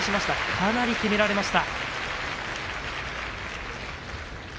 かなりきめられました。